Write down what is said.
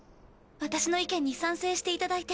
私の意見に賛成していただいて。